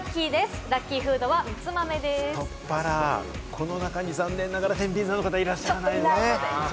この中に残念ながら、てんびん座の方はいらっしゃらないんですよね。